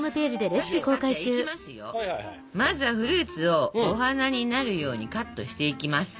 まずはフルーツをお花になるようにカットしていきます。